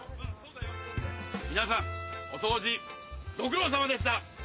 皆さんお掃除ご苦労さまでした。